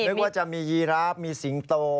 นึกว่าจะมียีราฟมีสิงโต